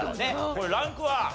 これランクは？